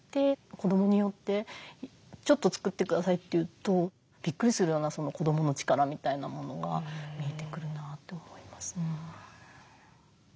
子どもによってちょっと作ってくださいっていうとびっくりするような子どもの力みたいなものが見えてくるなと思います。